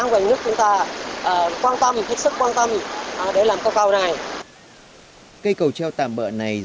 với hơn năm triệu đồng tiền